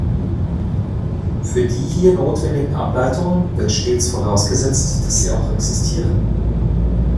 Für die hier notwendigen Ableitungen wird stets vorausgesetzt, dass sie auch existieren.